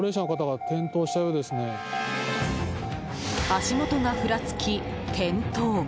足下がふらつき、転倒。